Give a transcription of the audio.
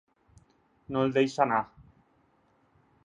No el deixa anar.